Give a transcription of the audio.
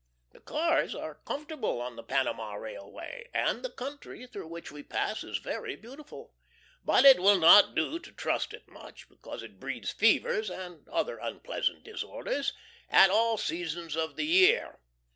The cars are comfortable on the Panama railway, and the country through which we pass is very beautiful. But it will not do to trust it much, because it breeds fevers and other unpleasant disorders, at all seasons of the year.